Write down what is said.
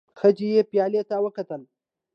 ښځې پيالې ته وکتل.